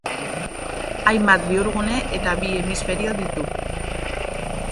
Hainbat bihurgune eta bi hemisferio ditu.